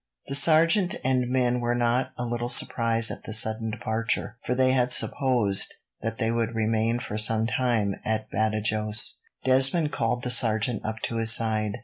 The sergeant and men were not a little surprised at the sudden departure, for they had supposed that they would remain for some time at Badajos. Desmond called the sergeant up to his side.